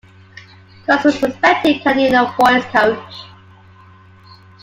Coutts was a respected Canadian voice coach.